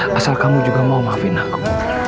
asal kamu juga mau maafin aku